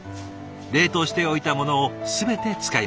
冷凍しておいたものを全て使います。